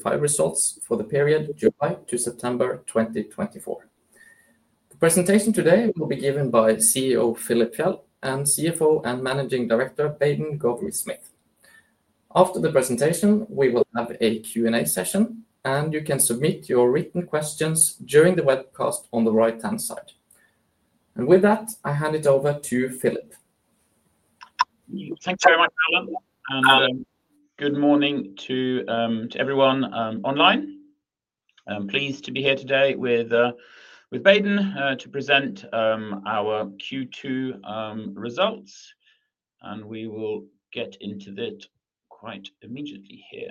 The final results for the period July to September 2024. The presentation today will be given by CEO Philip Fjeld and CFO and Managing Director Baden Gowrie-Smith. After the presentation, we will have a Q&A session, and you can submit your written questions during the webcast on the right-hand side, and with that, I hand it over to Philip. Thanks very much, Alan. Alan. Good morning to everyone online. I'm pleased to be here today with Baden to present our Q2 results, and we will get into it quite immediately here.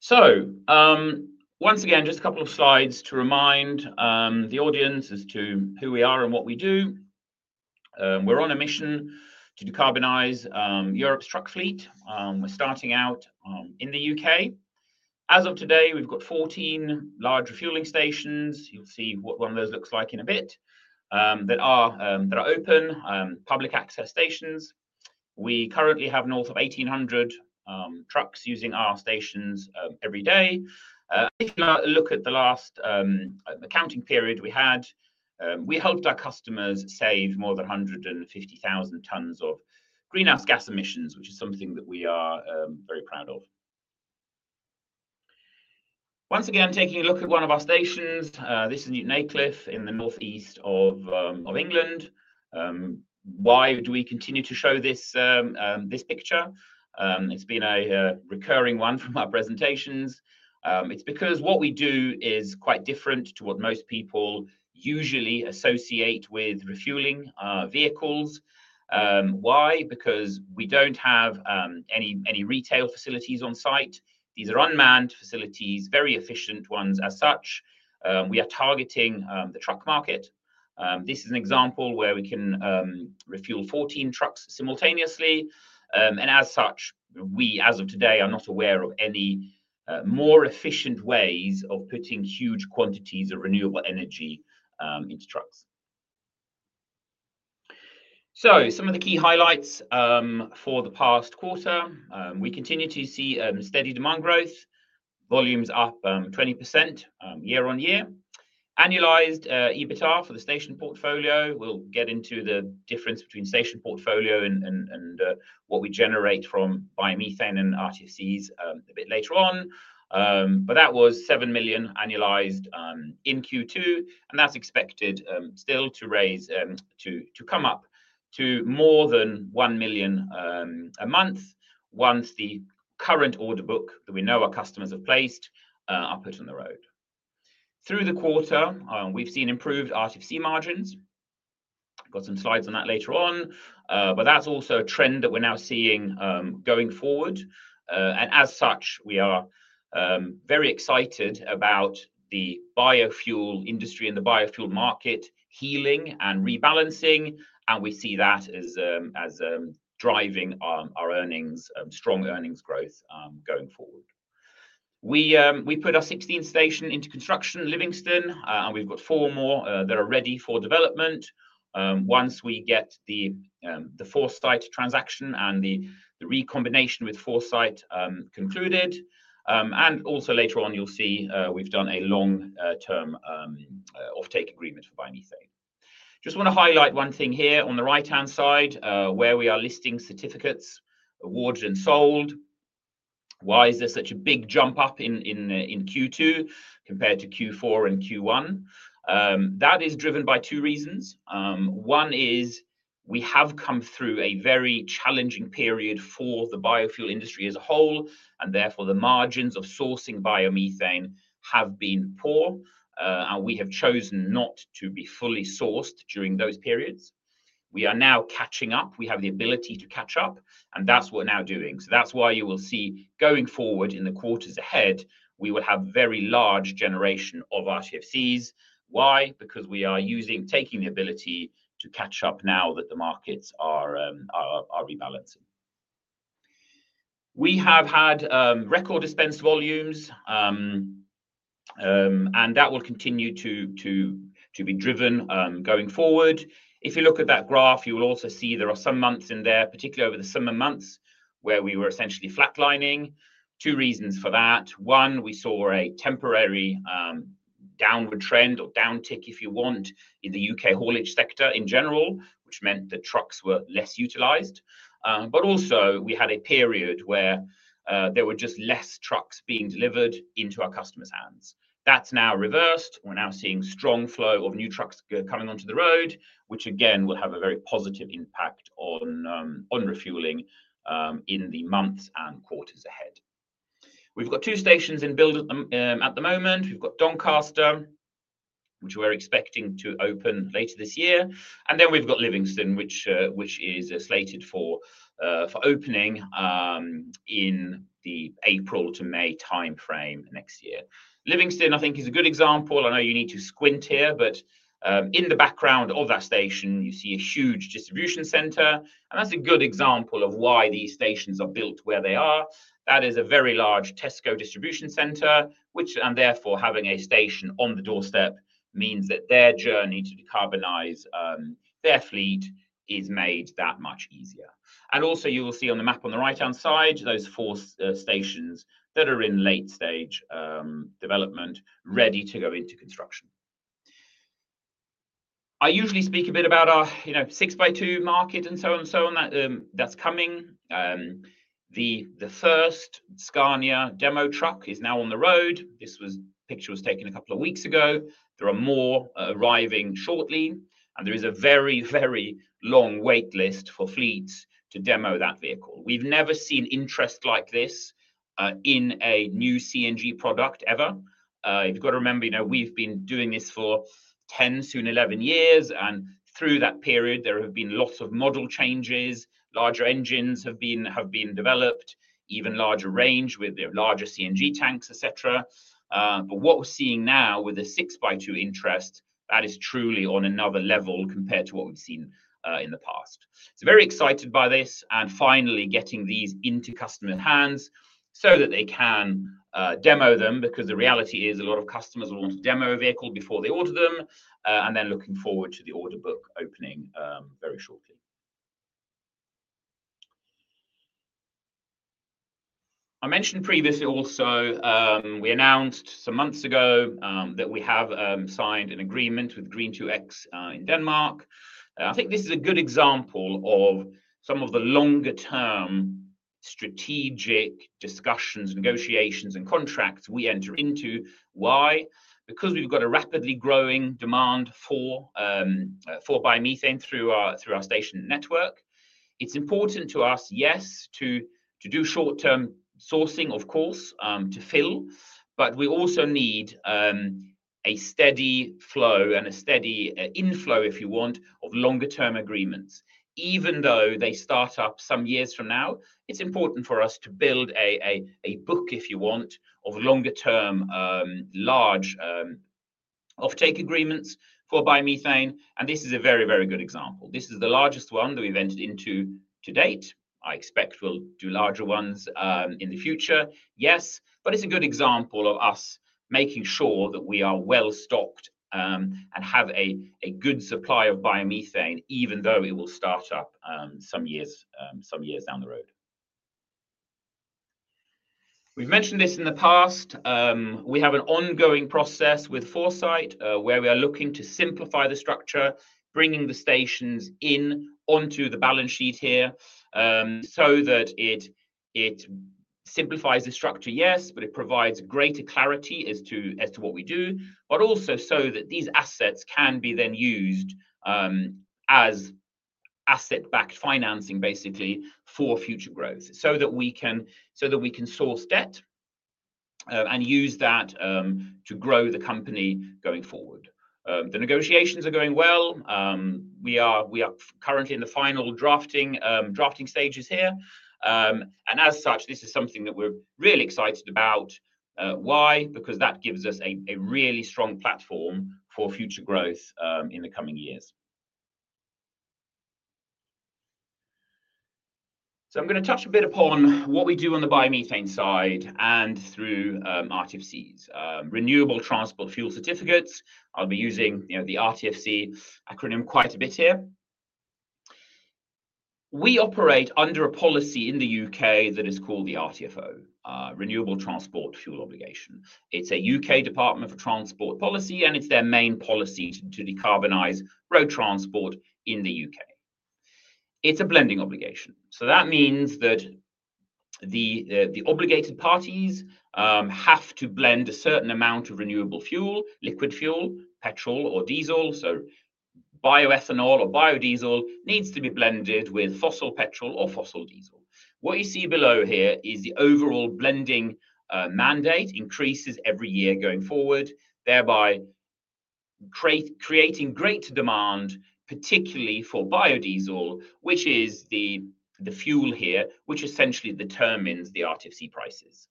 So, once again, just a couple of slides to remind the audience as to who we are and what we do. We're on a mission to decarbonize Europe's truck fleet. We're starting out in the U.K. As of today, we've got 14 large refueling stations. You'll see what one of those looks like in a bit. That are open, public access stations. We currently have north of 1,800 trucks using our stations every day. If you look at the last accounting period we had, we helped our customers save more than 150,000 tons of greenhouse gas emissions, which is something that we are very proud of. Once again, taking a look at one of our stations, this is Newton Aycliffe in the northeast of England. Why do we continue to show this picture? It's been a recurring one from our presentations. It's because what we do is quite different to what most people usually associate with refueling vehicles. Why? Because we don't have any retail facilities on site. These are unmanned facilities, very efficient ones as such. We are targeting the truck market. This is an example where we can refuel 14 trucks simultaneously. And as such, we, as of today, are not aware of any more efficient ways of putting huge quantities of renewable energy into trucks. So, some of the key highlights for the past quarter. We continue to see steady demand growth, volumes up 20% year on year. Annualized EBITDA for the station portfolio. We'll get into the difference between station portfolio and what we generate from biomethane and RTFCs a bit later on, but that was seven million annualized in Q2, and that's expected still to come up to more than one million a month once the current order book that we know our customers have placed are put on the road. Through the quarter, we've seen improved RTFC margins. I've got some slides on that later on, but that's also a trend that we're now seeing going forward, and as such, we are very excited about the biofuel industry and the biofuel market healing and rebalancing, and we see that as driving our strong earnings growth going forward. We put our 16th station into construction in Livingston, and we've got four more that are ready for development once we get the Foresight transaction and the recombination with Foresight concluded. And also later on, you'll see we've done a long-term offtake agreement for biomethane. Just want to highlight one thing here on the right-hand side where we are listing certificates, awarded, and sold. Why is there such a big jump up in Q2 compared to Q4 and Q1? That is driven by two reasons. One is we have come through a very challenging period for the biofuel industry as a whole, and therefore the margins of sourcing biomethane have been poor, and we have chosen not to be fully sourced during those periods. We are now catching up. We have the ability to catch up, and that's what we're now doing. So that's why you will see going forward in the quarters ahead, we will have a very large generation of RTFCs. Why? Because we are taking the ability to catch up now that the markets are rebalancing. We have had record dispense volumes, and that will continue to be driven going forward. If you look at that graph, you will also see there are some months in there, particularly over the summer months, where we were essentially flatlining. Two reasons for that. One, we saw a temporary downward trend or downtick, if you want, in the U.K. haulage sector in general, which meant that trucks were less utilized. But also, we had a period where there were just less trucks being delivered into our customers' hands. That's now reversed. We're now seeing a strong flow of new trucks coming onto the road, which again will have a very positive impact on refueling in the months and quarters ahead. We've got two stations in buildup at the moment. We've got Doncaster, which we're expecting to open later this year. And then we've got Livingston, which is slated for opening in the April to May timeframe next year. Livingston, I think, is a good example. I know you need to squint here, but in the background of that station, you see a huge distribution center. And that's a good example of why these stations are built where they are. That is a very large Tesco distribution center, which, and therefore having a station on the doorstep, means that their journey to decarbonize their fleet is made that much easier. And also, you will see on the map on the right-hand side those four stations that are in late-stage development, ready to go into construction. I usually speak a bit about our 6x2 market and so on and so on that's coming. The first Scania demo truck is now on the road. This picture was taken a couple of weeks ago. There are more arriving shortly, and there is a very, very long waitlist for fleets to demo that vehicle. We've never seen interest like this in a new CNG product ever. You've got to remember, we've been doing this for 10, soon 11 years. And through that period, there have been lots of model changes. Larger engines have been developed, even larger range with larger CNG tanks, etc. But what we're seeing now with the 6x2 interest, that is truly on another level compared to what we've seen in the past. So very excited by this and finally getting these into customers' hands so that they can demo them, because the reality is a lot of customers will want to demo a vehicle before they order them, and then looking forward to the order book opening very shortly. I mentioned previously also we announced some months ago that we have signed an agreement with Green2x in Denmark. I think this is a good example of some of the longer-term strategic discussions, negotiations, and contracts we enter into. Why? Because we've got a rapidly growing demand for biomethane through our station network. It's important to us, yes, to do short-term sourcing, of course, to fill, but we also need a steady flow and a steady inflow, if you want, of longer-term agreements. Even though they start up some years from now, it's important for us to build a book, if you want, of longer-term large offtake agreements for biomethane. And this is a very, very good example. This is the largest one that we've entered into to date. I expect we'll do larger ones in the future, yes, but it's a good example of us making sure that we are well stocked and have a good supply of biomethane, even though it will start up some years down the road. We've mentioned this in the past. We have an ongoing process with Foresight where we are looking to simplify the structure, bringing the stations in onto the balance sheet here so that it simplifies the structure, yes, but it provides greater clarity as to what we do, but also so that these assets can be then used as asset-backed financing, basically, for future growth so that we can source debt and use that to grow the company going forward. The negotiations are going well. We are currently in the final drafting stages here. And as such, this is something that we're really excited about. Why? Because that gives us a really strong platform for future growth in the coming years. So I'm going to touch a bit upon what we do on the biomethane side and through RTFCs, Renewable Transport Fuel Certificates. I'll be using the RTFC acronym quite a bit here. We operate under a policy in the U.K. that is called the RTFO, Renewable Transport Fuel Obligation. It's a U.K. Department for Transport policy, and it's their main policy to decarbonize road transport in the U.K. It's a blending obligation. So that means that the obligated parties have to blend a certain amount of renewable fuel, liquid fuel, petrol or diesel. So bioethanol or biodiesel needs to be blended with fossil petrol or fossil diesel. What you see below here is the overall blending mandate increases every year going forward, thereby creating great demand, particularly for biodiesel, which is the fuel here, which essentially determines the RTFC prices,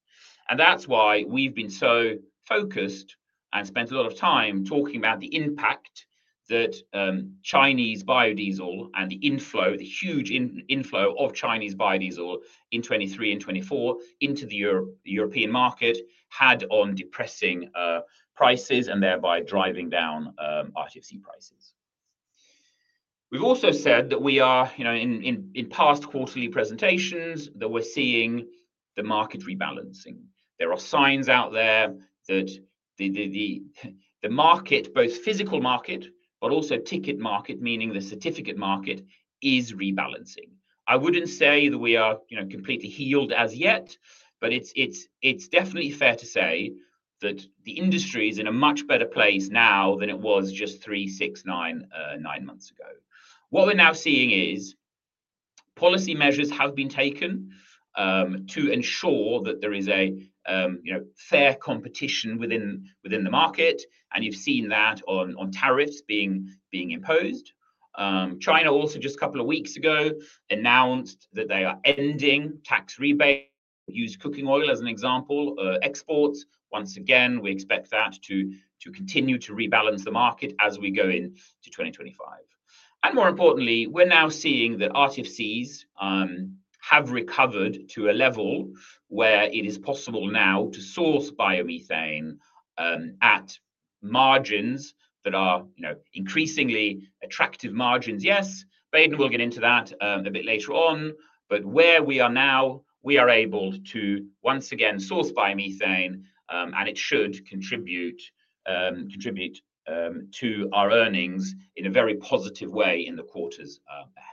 and that's why we've been so focused and spent a lot of time talking about the impact that Chinese biodiesel and the inflow, the huge inflow of Chinese biodiesel in 23 and 24 into the European market had on depressing prices and thereby driving down RTFC prices. We've also said that we are, in past quarterly presentations, that we're seeing the market rebalancing. There are signs out there that the market, both physical market, but also ticket market, meaning the certificate market, is rebalancing. I wouldn't say that we are completely healed as yet, but it's definitely fair to say that the industry is in a much better place now than it was just three, six, nine months ago. What we're now seeing is policy measures have been taken to ensure that there is a fair competition within the market, and you've seen that on tariffs being imposed. China also just a couple of weeks ago announced that they are ending tax rebates, used cooking oil as an example, exports. Once again, we expect that to continue to rebalance the market as we go into 2025. And more importantly, we're now seeing that RTFCs have recovered to a level where it is possible now to source biomethane at margins that are increasingly attractive margins, yes. Baden will get into that a bit later on. But where we are now, we are able to once again source biomethane, and it should contribute to our earnings in a very positive way in the quarters ahead.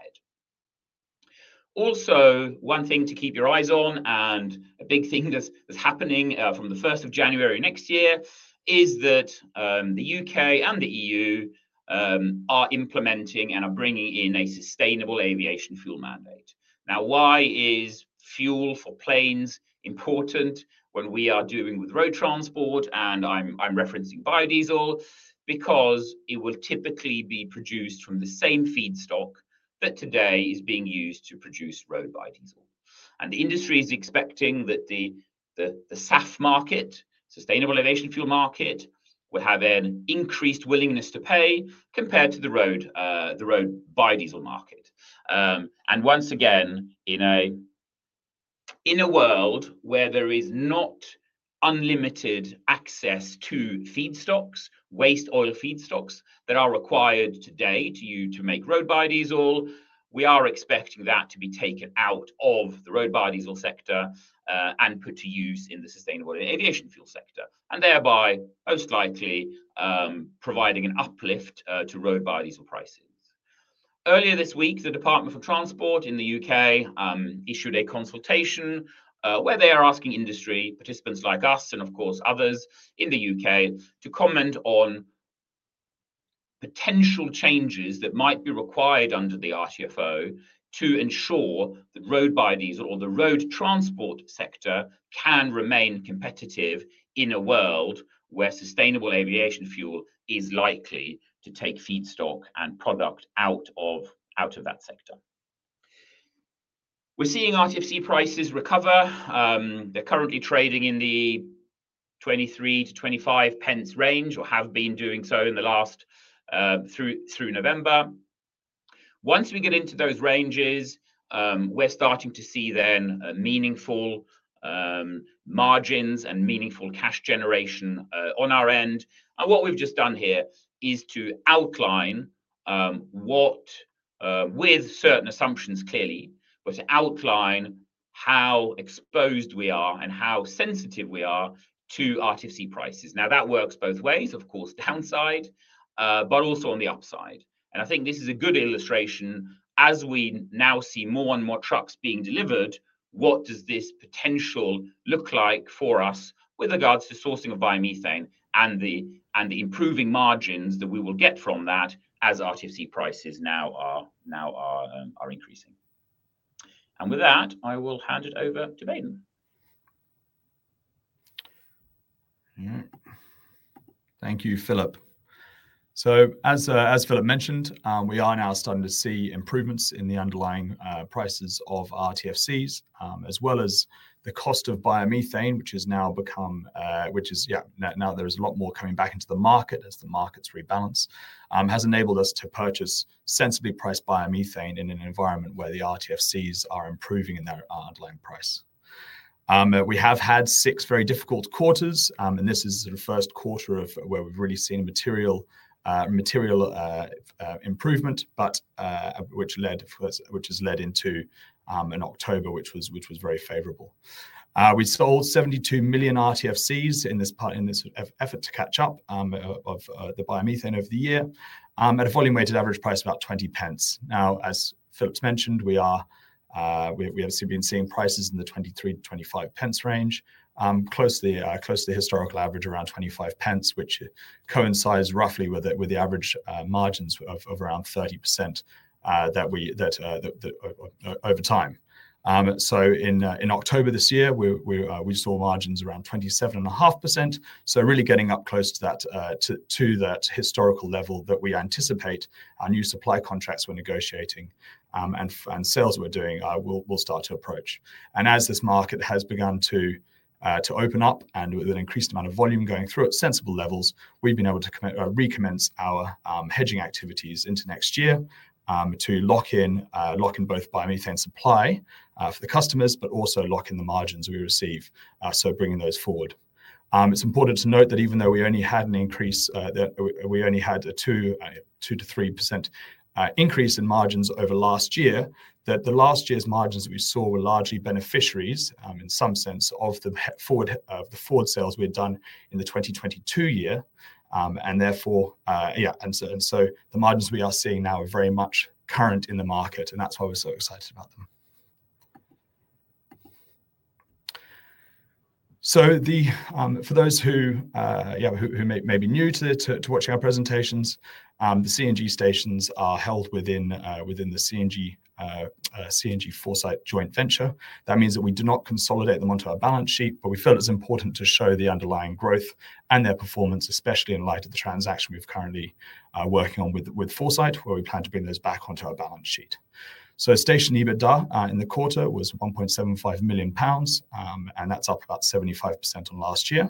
Also, one thing to keep your eyes on and a big thing that's happening from the 1st of January next year is that the U.K. and the E.U. are implementing and are bringing in a sustainable aviation fuel mandate. Now, why is fuel for planes important when we are dealing with road transport? And I'm referencing biodiesel because it will typically be produced from the same feedstock that today is being used to produce road biodiesel. And the industry is expecting that the SAF market, sustainable aviation fuel market, will have an increased willingness to pay compared to the road biodiesel market. Once again, in a world where there is not unlimited access to feedstocks, waste oil feedstocks that are required today to make road biodiesel, we are expecting that to be taken out of the road biodiesel sector and put to use in the Sustainable Aviation Fuel sector, and thereby most likely providing an uplift to road biodiesel prices. Earlier this week, the Department for Transport in the U.K. issued a consultation where they are asking industry participants like us and, of course, others in the U.K. to comment on potential changes that might be required under the RTFO to ensure that road biodiesel or the road transport sector can remain competitive in a world where Sustainable Aviation Fuel is likely to take feedstock and product out of that sector. We're seeing RTFC prices recover. They're currently trading in the 0.23-0.25 range or have been doing so in the last through November. Once we get into those ranges, we're starting to see then meaningful margins and meaningful cash generation on our end. And what we've just done here is to outline what, with certain assumptions clearly, was to outline how exposed we are and how sensitive we are to RTFC prices. Now, that works both ways, of course, downside, but also on the upside. And I think this is a good illustration. As we now see more and more trucks being delivered, what does this potential look like for us with regards to sourcing of biomethane and the improving margins that we will get from that as RTFC prices now are increasing? And with that, I will hand it over to Baden. Thank you, Philip. As Philip mentioned, we are now starting to see improvements in the underlying prices of RTFCs, as well as the cost of biomethane, which has now become, which is, yeah, now there's a lot more coming back into the market as the markets rebalance. This has enabled us to purchase sensibly priced biomethane in an environment where the RTFCs are improving in their underlying price. We have had six very difficult quarters, and this is the first quarter where we've really seen a material improvement, which has led into an October, which was very favorable. We sold 72 million RTFCs in this effort to catch up of the biomethane of the year at a volume-weighted average price of about 0.20. Now, as Philip's mentioned, we have been seeing prices in the 0.23-0.25 range, close to the historical average around 0.25, which coincides roughly with the average margins of around 30% over time. So in October this year, we saw margins around 27.5%. So really getting up close to that historical level that we anticipate our new supply contracts we're negotiating and sales we're doing will start to approach. And as this market has begun to open up and with an increased amount of volume going through at sensible levels, we've been able to recommence our hedging activities into next year to lock in both biomethane supply for the customers, but also lock in the margins we receive. So bringing those forward. It's important to note that even though we only had an increase, we only had a 2%-3% increase in margins over last year, that the last year's margins that we saw were largely beneficiaries in some sense of the forward sales we had done in the 2022 year, and therefore, yeah, and so the margins we are seeing now are very much current in the market, and that's why we're so excited about them, so for those who may be new to watching our presentations, the CNG Foresight joint venture holds the CNG stations. That means that we do not consolidate them onto our balance sheet, but we feel it's important to show the underlying growth and their performance, especially in light of the transaction we're currently working on with Foresight Group, where we plan to bring those back onto our balance sheet. So station EBITDA in the quarter was 1.75 million pounds, and that's up about 75% on last year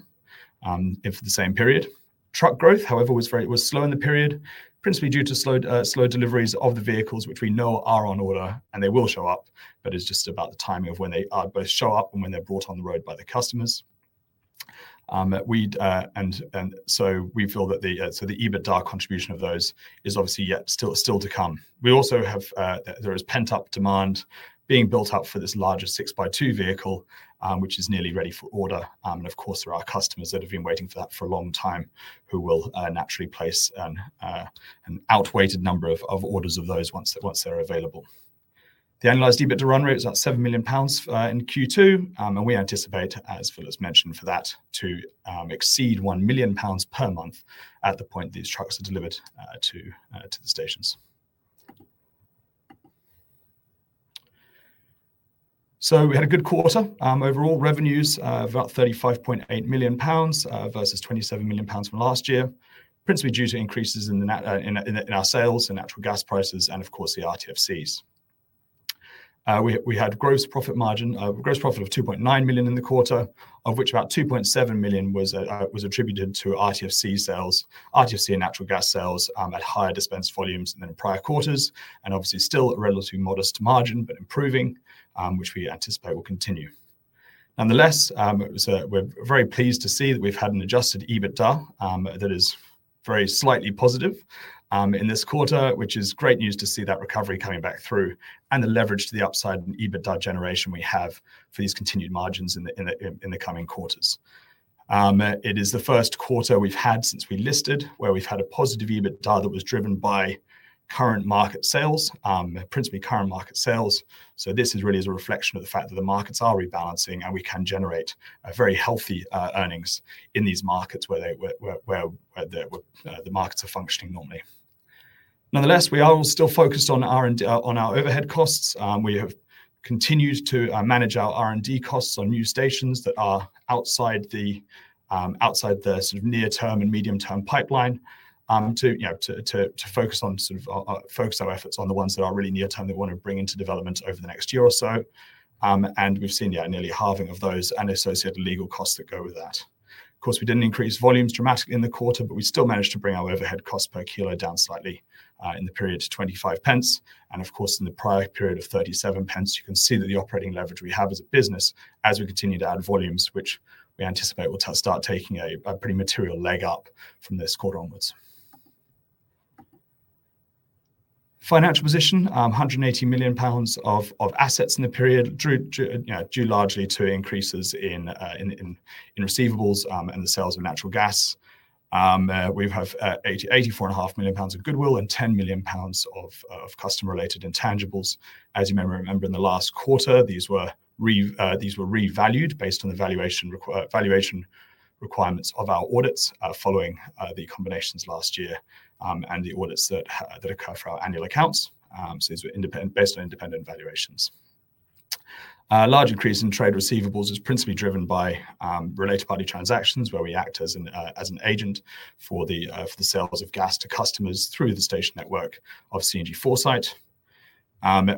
for the same period. Truck growth, however, was slow in the period, principally due to slow deliveries of the vehicles, which we know are on order and they will show up, but it's just about the timing of when they both show up and when they're brought on the road by the customers. And so we feel that the EBITDA contribution of those is obviously yet still to come. We also have there is pent-up demand being built up for this larger 6x2 vehicle, which is nearly ready for order. And of course, there are customers that have been waiting for that for a long time who will naturally place an outweighed number of orders of those once they're available. The analyzed EBITDA run rate is about 7 million pounds in Q2, and we anticipate, as Philip's mentioned, for that to exceed 1 million pounds per month at the point these trucks are delivered to the stations. So we had a good quarter. Overall revenues of about 35.8 million pounds versus 27 million pounds from last year, principally due to increases in our sales and natural gas prices and, of course, the RTFCs. We had gross profit margin, gross profit of 2.9 million in the quarter, of which about 2.7 million was attributed to RTFC sales and natural gas sales at higher dispense volumes than in prior quarters, and obviously still a relatively modest margin, but improving, which we anticipate will continue. Nonetheless, we're very pleased to see that we've had an Adjusted EBITDA that is very slightly positive in this quarter, which is great news to see that recovery coming back through and the leverage to the upside in EBITDA generation we have for these continued margins in the coming quarters. It is the first quarter we've had since we listed where we've had a positive EBITDA that was driven by current market sales, principally current market sales. So this really is a reflection of the fact that the markets are rebalancing and we can generate very healthy earnings in these markets where the markets are functioning normally. Nonetheless, we are still focused on our overhead costs. We have continued to manage our R&D costs on new stations that are outside the sort of near-term and medium-term pipeline to focus our efforts on the ones that are really near-term that we want to bring into development over the next year or so. We've seen, yeah, nearly halving of those and associated legal costs that go with that. Of course, we didn't increase volumes dramatically in the quarter, but we still managed to bring our overhead cost per kilo down slightly in the period to 25. Of course, in the prior period of 37, you can see that the operating leverage we have as a business as we continue to add volumes, which we anticipate will start taking a pretty material leg up from this quarter onwards. Financial position, 180 million pounds of assets in the period due largely to increases in receivables and the sales of natural gas. We have 84.5 million pounds of goodwill and 10 million pounds of customer-related intangibles. As you may remember, in the last quarter, these were revalued based on the valuation requirements of our audits following the combinations last year and the audits that occur for our annual accounts. So these were based on independent valuations. Large increase in trade receivables is principally driven by related party transactions where we act as an agent for the sales of gas to customers through the station network of CNG Foresight.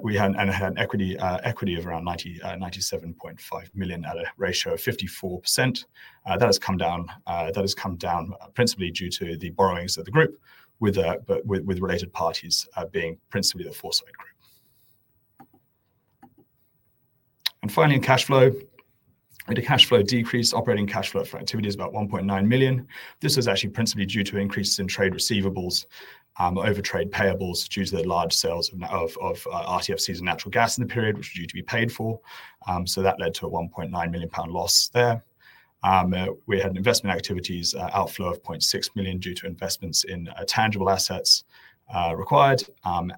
We had an equity of around 97.5 million at a ratio of 54%. That has come down principally due to the borrowings of the group, with related parties being principally the Foresight Group. Finally, in cash flow, the cash flow decreased. Operating cash flow for activity is about 1.9 million. This is actually principally due to increases in trade receivables over trade payables due to the large sales of RTFCs and natural gas in the period, which were due to be paid for, so that led to a 1.9 million pound loss there. We had investment activities outflow of 0.6 million due to investments in tangible assets required, and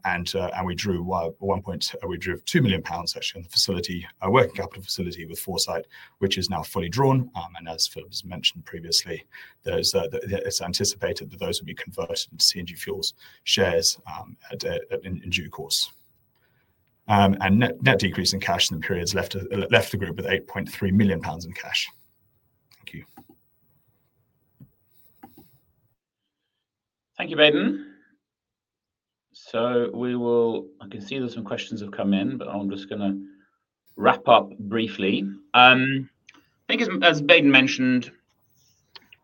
we drew 1.2 million pounds actually on the facility, a working capital facility with Foresight, which is now fully drawn. And as Philip has mentioned previously, it's anticipated that those will be converted into CNG Foresight shares in due course, and net decrease in cash in the period has left the group with 8.3 million pounds in cash. Thank you. Thank you, Baden, so I can see that some questions have come in, but I'm just going to wrap up briefly. I think, as Baden mentioned,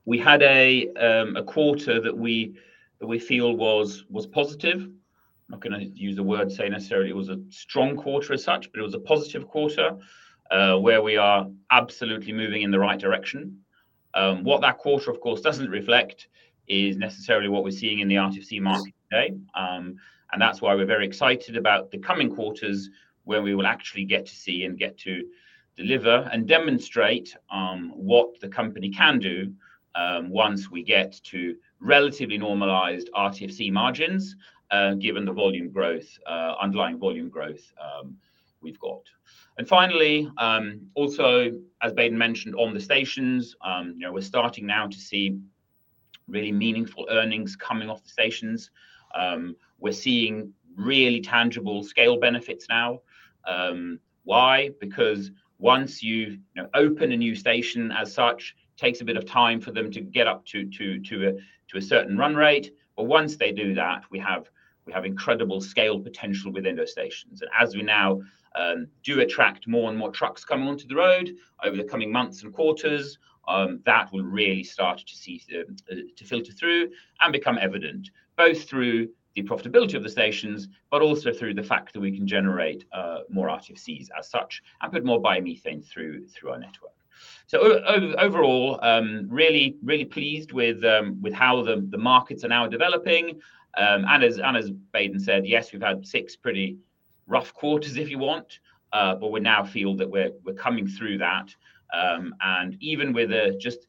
we had a quarter that we feel was positive. I'm not going to use the word, say, necessarily it was a strong quarter as such, but it was a positive quarter where we are absolutely moving in the right direction. What that quarter, of course, doesn't reflect is necessarily what we're seeing in the RTFC market today, and that's why we're very excited about the coming quarters where we will actually get to see and get to deliver and demonstrate what the company can do once we get to relatively normalized RTFC margins, given the volume growth, underlying volume growth we've got, and finally, also, as Baden mentioned on the stations, we're starting now to see really meaningful earnings coming off the stations. We're seeing really tangible scale benefits now. Why? Because once you open a new station as such, it takes a bit of time for them to get up to a certain run rate. But once they do that, we have incredible scale potential within those stations. And as we now do attract more and more trucks coming onto the road over the coming months and quarters, that will really start to filter through and become evident, both through the profitability of the stations, but also through the fact that we can generate more RTFCs as such and put more biomethane through our network. So overall, really pleased with how the markets are now developing. And as Baden said, yes, we've had six pretty rough quarters, if you want, but we now feel that we're coming through that. And even with just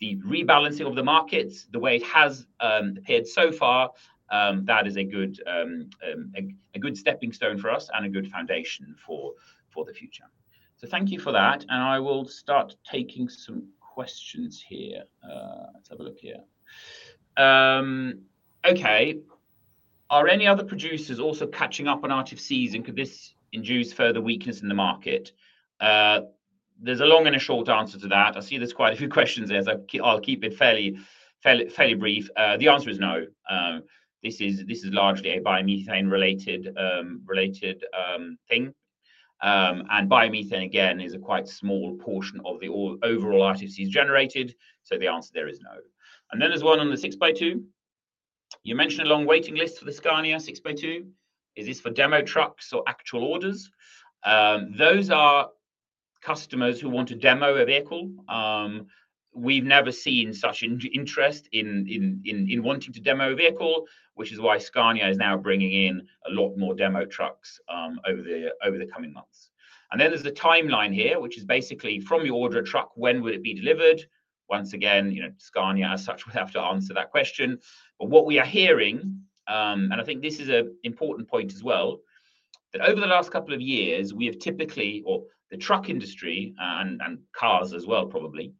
the rebalancing of the markets, the way it has appeared so far, that is a good stepping stone for us and a good foundation for the future. So thank you for that. And I will start taking some questions here. Let's have a look here. Okay. Are any other producers also catching up on RTFCs, and could this induce further weakness in the market? There's a long and a short answer to that. I see there's quite a few questions there. So I'll keep it fairly brief. The answer is no. This is largely a biomethane-related thing. And biomethane, again, is a quite small portion of the overall RTFCs generated. So the answer there is no. And then there's one on the 6x2. You mentioned a long waiting list for the Scania 6x2. Is this for demo trucks or actual orders? Those are customers who want to demo a vehicle. We've never seen such interest in wanting to demo a vehicle, which is why Scania is now bringing in a lot more demo trucks over the coming months. And then there's a timeline here, which is basically from you order a truck, when would it be delivered? Once again, Scania as such will have to answer that question. But what we are hearing, and I think this is an important point as well, that over the last couple of years, we have typically, or the truck industry and cars as well, probably,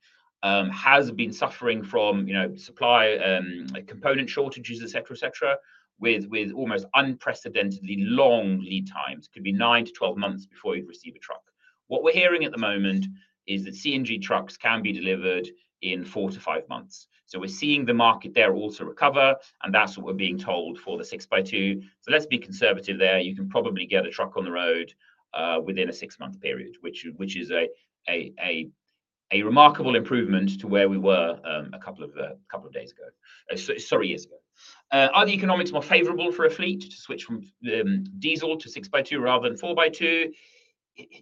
has been suffering from supply component shortages, etc., etc., with almost unprecedentedly long lead times. It could be nine to 12 months before you've received a truck. What we're hearing at the moment is that CNG trucks can be delivered in four to five months. So, we're seeing the market there also recover, and that's what we're being told for the 6x2. So, let's be conservative there. You can probably get a truck on the road within a six-month period, which is a remarkable improvement to where we were a couple of days ago, sorry, years ago. Are the economics more favorable for a fleet to switch from diesel to 6x2 rather than 4x2?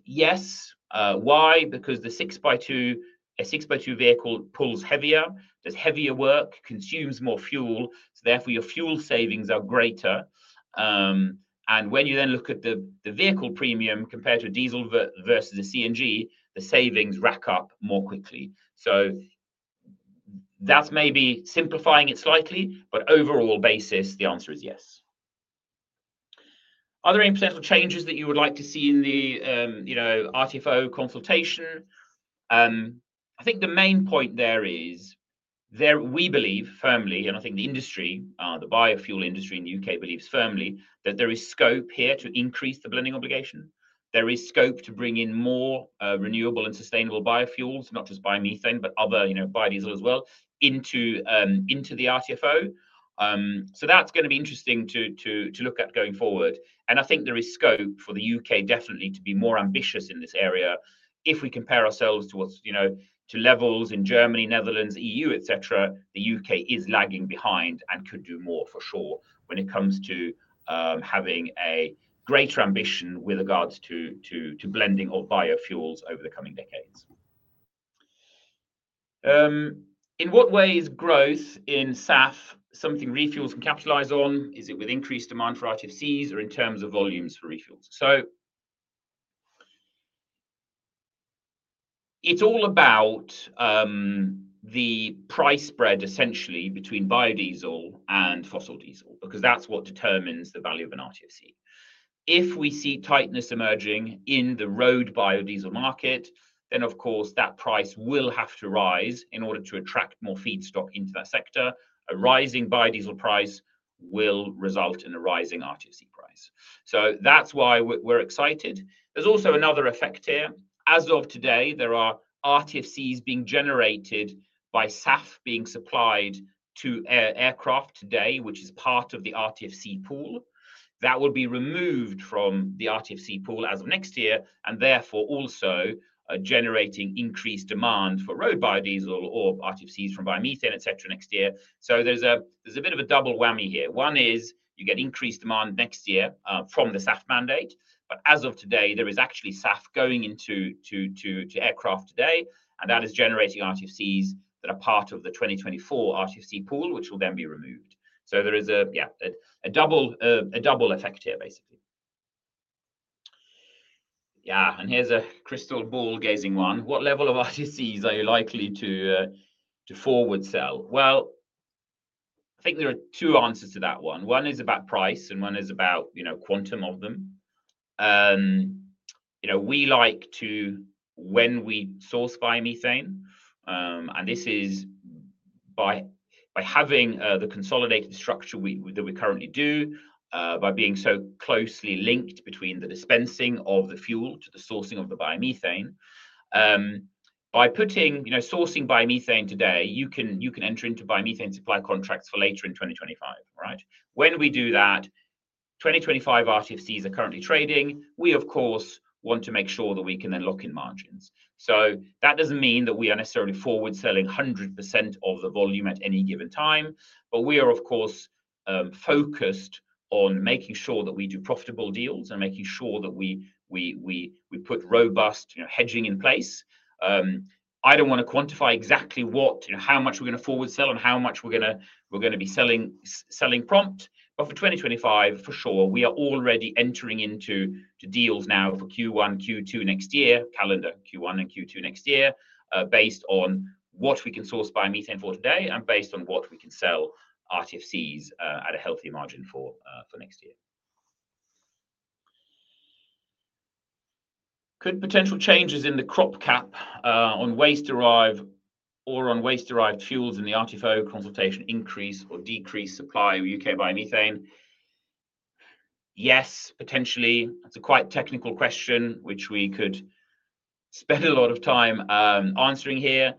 Yes. Why? Because the 6x2 vehicle pulls heavier. There's heavier work, consumes more fuel, so therefore your fuel savings are greater. And when you then look at the vehicle premium compared to a diesel versus a CNG, the savings rack up more quickly. So, that's maybe simplifying it slightly, but overall basis, the answer is yes. Are there any potential changes that you would like to see in the RTFO consultation? I think the main point there is we believe firmly, and I think the industry, the biofuel industry in the U.K. believes firmly that there is scope here to increase the blending obligation. There is scope to bring in more renewable and sustainable biofuels, not just biomethane, but other biodiesel as well, into the RTFO. So that's going to be interesting to look at going forward, and I think there is scope for the U.K. definitely to be more ambitious in this area. If we compare ourselves to levels in Germany, Netherlands, EU, etc., the U.K. is lagging behind and could do more for sure when it comes to having a greater ambition with regards to blending of biofuels over the coming decades. In what way is growth in SAF something ReFuels can capitalize on? Is it with increased demand for RTFCs or in terms of volumes for ReFuels? It's all about the price spread essentially between biodiesel and fossil diesel because that's what determines the value of an RTFC. If we see tightness emerging in the road biodiesel market, then of course that price will have to rise in order to attract more feedstock into that sector. A rising biodiesel price will result in a rising RTFC price. That's why we're excited. There's also another effect here. As of today, there are RTFCs being generated by SAF being supplied to aircraft today, which is part of the RTFC pool. That will be removed from the RTFC pool as of next year and therefore also generating increased demand for road biodiesel or RTFCs from biomethane, etc., next year. There's a bit of a double whammy here. One is you get increased demand next year from the SAF mandate, but as of today, there is actually SAF going into aircraft today, and that is generating RTFCs that are part of the 2024 RTFC pool, which will then be removed. So there is a double effect here, basically. Yeah, and here's a crystal ball gazing one. What level of RTFCs are you likely to forward sell? Well, I think there are two answers to that one. One is about price and one is about quantum of them. We like to, when we source biomethane, and this is by having the consolidated structure that we currently do, by being so closely linked between the dispensing of the fuel to the sourcing of the biomethane. By sourcing biomethane today, you can enter into biomethane supply contracts for later in 2025, right? When we do that, 2025 RTFCs are currently trading. We, of course, want to make sure that we can then lock in margins. So that doesn't mean that we are necessarily forward selling 100% of the volume at any given time, but we are, of course, focused on making sure that we do profitable deals and making sure that we put robust hedging in place. I don't want to quantify exactly how much we're going to forward sell and how much we're going to be selling prompt, but for 2025, for sure, we are already entering into deals now for Q1, Q2 next year, calendar Q1 and Q2 next year, based on what we can source biomethane for today and based on what we can sell RTFCs at a healthy margin for next year. Could potential changes in the crop cap on waste derived or on waste derived fuels in the RTFO consultation increase or decrease supply of U.K. biomethane? Yes, potentially. That's a quite technical question, which we could spend a lot of time answering here.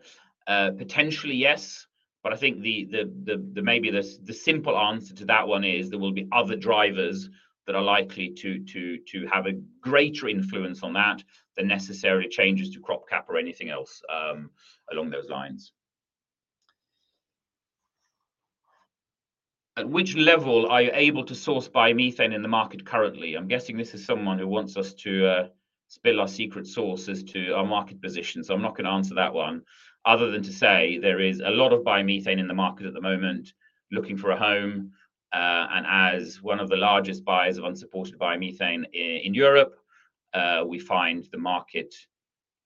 Potentially, yes. But I think maybe the simple answer to that one is there will be other drivers that are likely to have a greater influence on that than necessary changes to crop cap or anything else along those lines. At which level are you able to source biomethane in the market currently? I'm guessing this is someone who wants us to spill our secret sauce as to our market position. So I'm not going to answer that one other than to say there is a lot of biomethane in the market at the moment looking for a home. As one of the largest buyers of unsupported biomethane in Europe, we find the market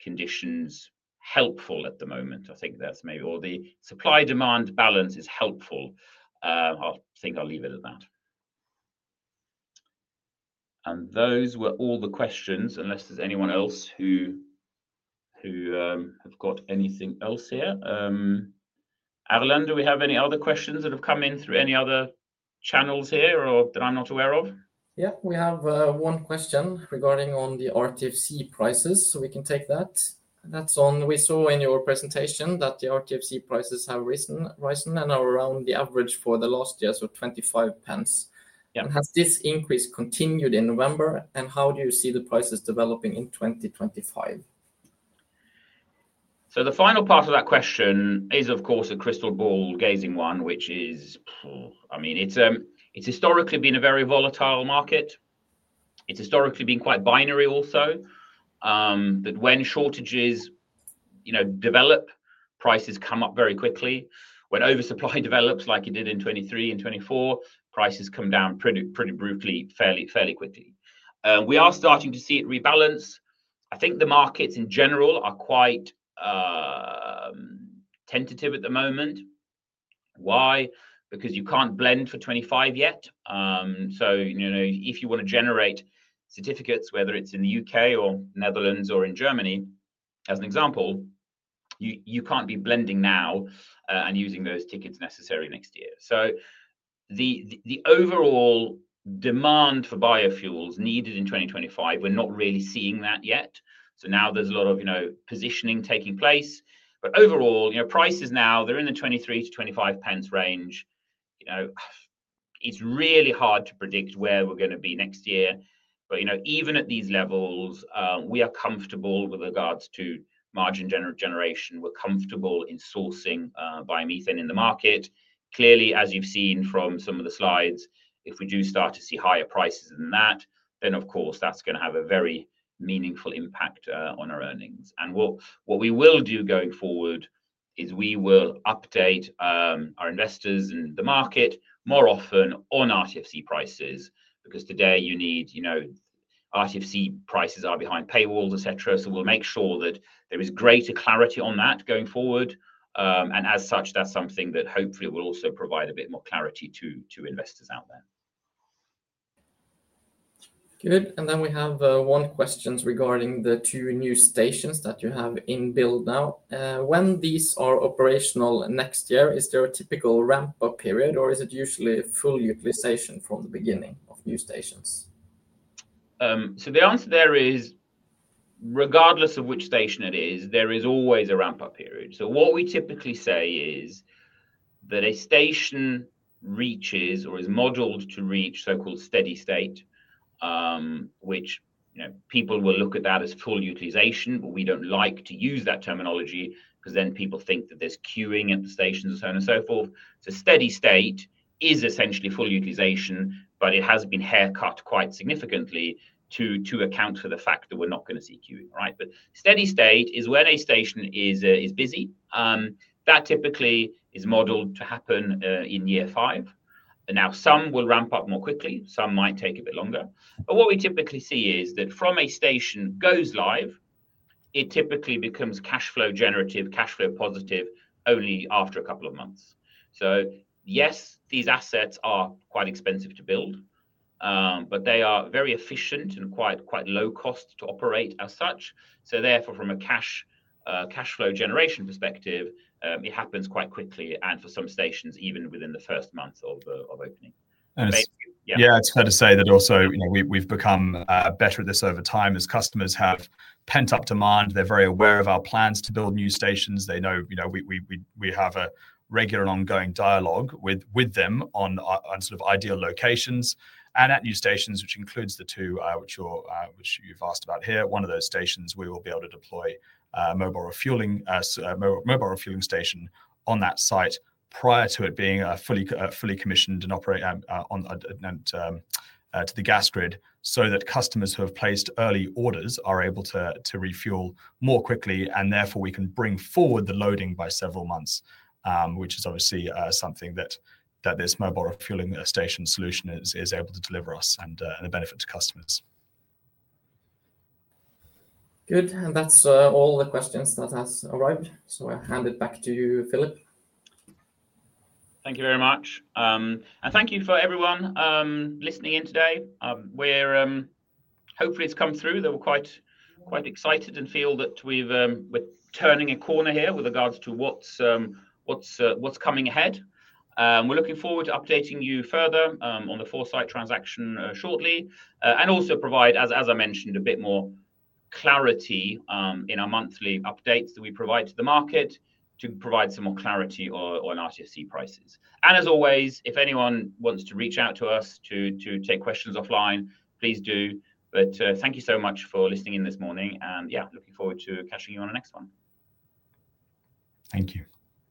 conditions helpful at the moment. I think that's maybe all the supply-demand balance is helpful. I think I'll leave it at that. Those were all the questions, unless there's anyone else who has got anything else here. Avelin, do we have any other questions that have come in through any other channels here that I'm not aware of? Yeah, we have one question regarding on the RTFC prices. So we can take that. That's on. We saw in your presentation that the RTFC prices have risen and are around the average for the last year, so 0.25. Has this increase continued in November? And how do you see the prices developing in 2025? So the final part of that question is, of course, a crystal ball gazing one, which is, I mean, it's historically been a very volatile market. It's historically been quite binary also. But when shortages develop, prices come up very quickly. When oversupply develops, like it did in 2023 and 2024, prices come down pretty brutally, fairly quickly. We are starting to see it rebalance. I think the markets in general are quite tentative at the moment. Why? Because you can't blend for 2025 yet. So if you want to generate certificates, whether it's in the U.K. or Netherlands or in Germany, as an example, you can't be blending now and using those tickets necessarily next year. So the overall demand for biofuels needed in 2025, we're not really seeing that yet. So now there's a lot of positioning taking place. But overall, prices now, they're in the 0.23-0.25 range. It's really hard to predict where we're going to be next year. But even at these levels, we are comfortable with regards to margin generation. We're comfortable in sourcing biomethane in the market. Clearly, as you've seen from some of the slides, if we do start to see higher prices than that, then of course, that's going to have a very meaningful impact on our earnings. And what we will do going forward is we will update our investors and the market more often on RTFC prices because today you need RTFC prices are behind paywalls, etc. So we'll make sure that there is greater clarity on that going forward. And as such, that's something that hopefully will also provide a bit more clarity to investors out there. Good. And then we have one question regarding the two new stations that you have in build now. When these are operational next year, is there a typical ramp-up period, or is it usually full utilization from the beginning of new stations? So the answer there is, regardless of which station it is, there is always a ramp-up period. So what we typically say is that a station reaches or is modeled to reach so-called steady state, which people will look at that as full utilization, but we don't like to use that terminology because then people think that there's queuing at the stations and so on and so forth. So steady state is essentially full utilization, but it has been haircut quite significantly to account for the fact that we're not going to see queuing, right? But steady state is when a station is busy. That typically is modeled to happen in year five. Now, some will ramp up more quickly. Some might take a bit longer. But what we typically see is that from a station goes live, it typically becomes cash flow generative, cash flow positive only after a couple of months. So yes, these assets are quite expensive to build, but they are very efficient and quite low cost to operate as such. So therefore, from a cash flow generation perspective, it happens quite quickly and for some stations, even within the first month of opening. Yeah, it's fair to say that also we've become better at this over time as customers have pent-up demand. They're very aware of our plans to build new stations. They know we have a regular and ongoing dialogue with them on sort of ideal locations. And at new stations, which includes the two which you've asked about here, one of those stations, we will be able to deploy a mobile refueling station on that site prior to it being fully commissioned and to the gas grid so that customers who have placed early orders are able to refuel more quickly and therefore we can bring forward the loading by several months, which is obviously something that this mobile refueling station solution is able to deliver us and the benefit to customers. Good. And that's all the questions that have arrived. So I hand it back to you, Philip. Thank you very much. And thank you for everyone listening in today. Hopefully, it's come through. They were quite excited and feel that we're turning a corner here with regards to what's coming ahead. We're looking forward to updating you further on the Foresight transaction shortly and also provide, as I mentioned, a bit more clarity in our monthly updates that we provide to the market to provide some more clarity on RTFC prices. And as always, if anyone wants to reach out to us to take questions offline, please do. But thank you so much for listening in this morning. And yeah, looking forward to catching you on the next one. Thank you.